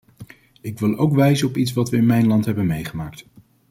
Ik wil ook wijzen op iets wat we in mijn land hebben meegemaakt.